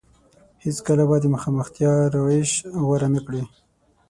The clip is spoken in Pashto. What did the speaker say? هېڅ کله به د مخامختيا روش غوره نه کړي.